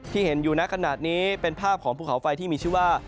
เห็นอยู่ในขณะนี้เป็นภาพของภูเขาไฟที่มีชื่อว่า